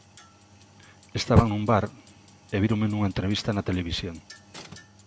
Estaban nun bar e víronme nunha entrevista na televisión.